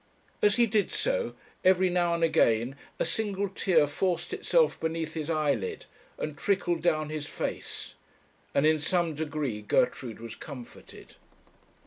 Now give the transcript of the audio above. As he did so, every now and again a single tear forced itself beneath his eyelid and trickled down his face, and in some degree Gertrude was comforted.